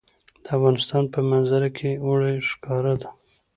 د افغانستان په منظره کې اوړي ښکاره ده.